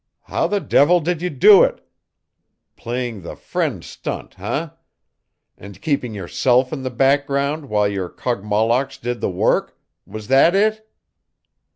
How the devil did you do it? Playing the friend stunt, eh! And keeping yourself in the background while your Kogmollocks did the work? Was that it?"